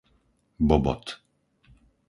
Bobot